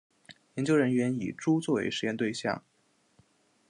研究人员以猪作为实验对象